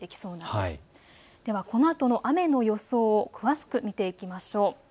では、このあとの雨の予想を詳しく見ていきましょう。